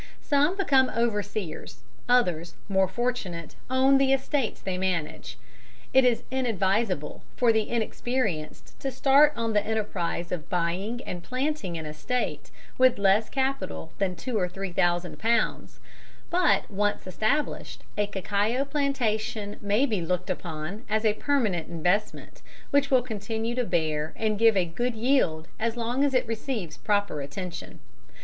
Some become overseers, others, more fortunate, own the estates they manage. It is inadvisable for the inexperienced to start on the enterprise of buying and planting an estate with less capital than two or three thousand pounds; but, once established, a cacao plantation may be looked upon as a permanent investment, which will continue to bear and give a good yield as long as it receives proper attention.